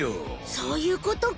そういうことか。